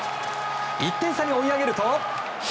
１点差に追い上げると。